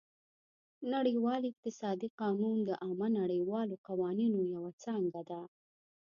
نړیوال اقتصادي قانون د عامه نړیوالو قوانینو یوه څانګه ده